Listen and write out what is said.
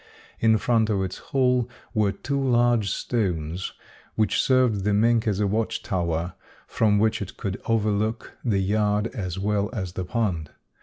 In front of its hole were two large stones, which served the mink as a watch tower, from which it could overlook the yard as well as the pond.